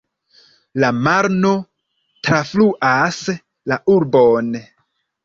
La Marno trafluas la urbon.